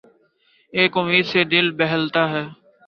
ایک امید سے دل بہلتا رہا